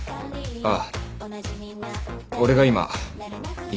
ああ。